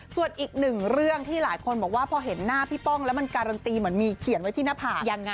ส่วนอีกหนึ่งเรื่องที่หลายคนบอกว่าพอเห็นหน้าพี่ป้องแล้วมันการันตีเหมือนมีเขียนไว้ที่หน้าผาก